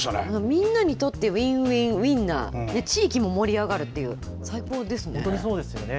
みんなにとってウィンウィンウィンな、地域も盛り上がるって本当にそうですよね。